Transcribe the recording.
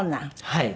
はい。